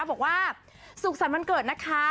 บอกว่าสุขสรรค์วันเกิดนะคะ